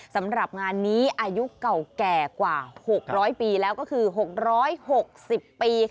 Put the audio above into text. สำหรับงานนี้อายุเก่าแก่กว่า๖๐๐ปีแล้วก็คือ๖๖๐ปี